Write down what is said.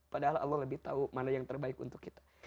padahal allah lebih tahu mana yang terbaik untuk kita